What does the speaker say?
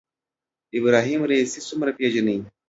ابراهیم رئیسي څومره پېژنئ